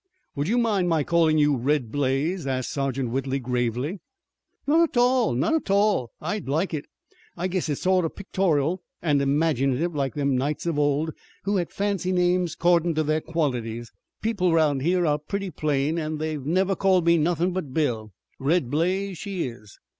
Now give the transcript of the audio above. "Would you mind my callin' you Red Blaze?" asked Sergeant Whitley gravely. "Not a tall! Not a tall! I'd like it. I guess it's sorter pictorial an' 'maginative like them knights of old who had fancy names 'cordin' to their qualities. People 'round here are pretty plain, an' they've never called me nothin' but Bill. Red Blaze she is."